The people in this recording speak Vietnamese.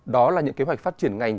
đó là những kế hoạch phát triển ngành